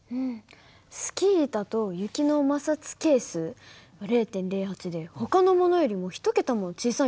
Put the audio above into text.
スキー板と雪の摩擦係数が０．０８でほかのものよりも１桁も小さいんだね。